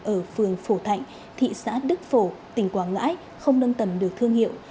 ở phường phổ thạnh thị xã đức phổ tỉnh quảng ngãi không nâng tầm được thương hiệu